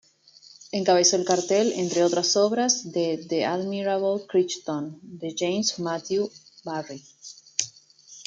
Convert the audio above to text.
Encabezó el cartel, entre otras obras, de "The Admirable Crichton", de James Matthew Barrie.